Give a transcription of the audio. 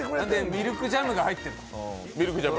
ミルクジャムが入ってる。